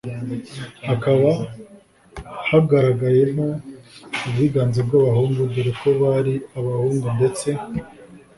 hakaba hagaragayemo ubwiganze bw’abahungu dore ko bari abahungu ndetse